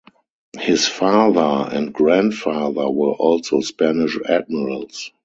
His father and grandfather were also Spanish admirals.